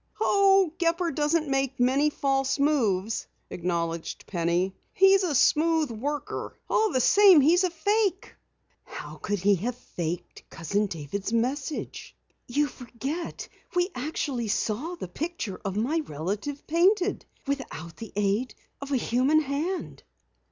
"Oh, Gepper doesn't make many false moves," acknowledged Penny. "He's a smooth worker. All the same, he's a fake." "How could he have faked Cousin David's message? You forget we actually saw the picture of my relative painted without the aid of a human hand."